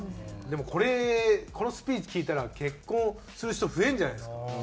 でもこれこのスピーチ聞いたら結婚する人増えるんじゃないですか？